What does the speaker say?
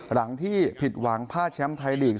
หลังที่ผิดหวังผ้าแชมป์ไทยลีก